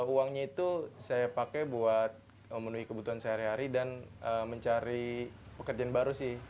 uangnya itu saya pakai buat memenuhi kebutuhan sehari hari dan mencari pekerjaan baru sih